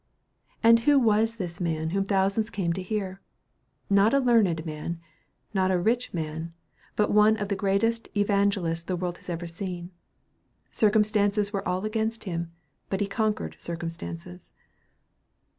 And who was this man whom thousands came to hear? Not a learned man, not a rich man, but one of the greatest evangelists the world has ever seen. Circumstances were all against him, but he conquered circumstances.